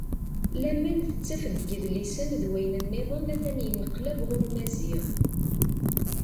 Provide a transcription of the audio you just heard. Laman tettaf deg yidlisen d wayen-nniḍen a-t-an yenneqlab ɣur Maziɣ.